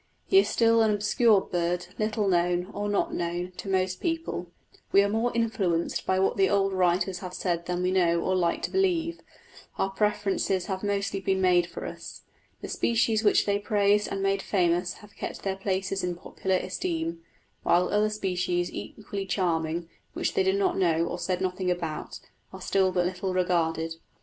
He is still an obscure bird, little known, or not known, to most people: we are more influenced by what the old writers have said than we know or like to believe; our preferences have mostly been made for us. The species which they praised and made famous have kept their places in popular esteem, while other species equally charming, which they did not know or said nothing about, are still but little regarded.